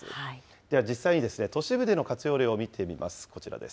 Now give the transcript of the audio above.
では実際に都市部での活用例を見ていきます。